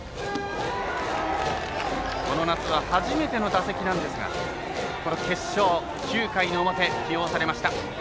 この夏は初めての打席なんですがこの決勝９回の表、起用されました。